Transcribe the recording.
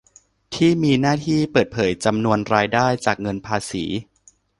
ที่มีหน้าที่เปิดเผยจำนวนรายได้จากเงินภาษี